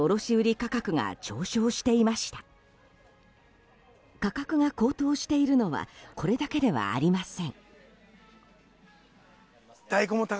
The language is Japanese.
価格が高騰しているのはこれだけではありません。